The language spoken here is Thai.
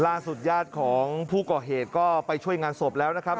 ล่าสุดญาติของผู้ก่อเหตุก็ไปช่วยงานศพแล้วนะครับ